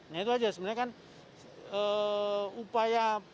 nah itu aja sebenarnya kan upaya